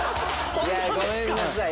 いやごめんなさい。